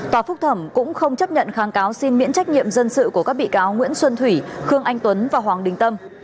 tòa phúc thẩm cũng không chấp nhận kháng cáo xin miễn trách nhiệm dân sự của các bị cáo nguyễn xuân thủy khương anh tuấn và hoàng đình tâm